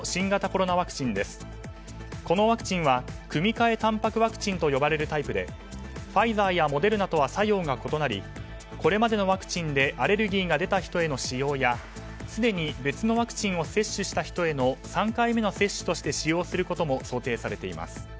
このワクチンは組換えタンパクワクチンと呼ばれるタイプでファイザーやモデルナとは作用が異なりこれまでのワクチンでアレルギーが出た人への使用やすでに別のワクチンを接種した人への３回目の接種として使用することも想定されています。